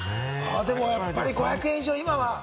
やっぱり５００円以上、今は。